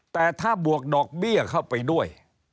แต่ถ้าบวกดอกเบี้ยเข้าไปด้วย